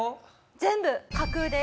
全部架空です。